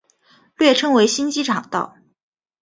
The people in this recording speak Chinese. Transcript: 略称为新机场道。